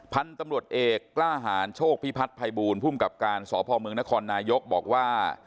พันธุ์ตำรวจเอกกล้าหารโชคพิพัฒน์ภัยบูลภูมิกับการสพเมืองนครนายกบอกว่า